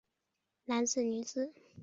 男子女子